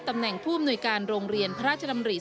ตำแหน่งผู้อำนวยการโรงเรียนพระราชดำริ